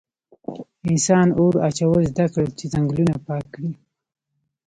انسانان اور اچول زده کړل چې ځنګلونه پاک کړي.